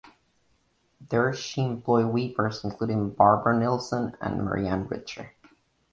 There she employed weavers including Barbro Nilsson and Marianne Richter.